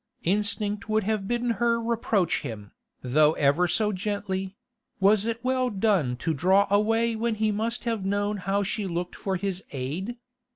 Instinct would have bidden her reproach him, though ever so gently; was it well done to draw away when he must have known how she looked for his aid?